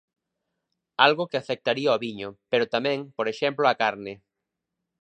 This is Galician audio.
Algo que afectaría o viño, pero tamén, por exemplo, a carne.